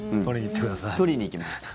取りに行きます。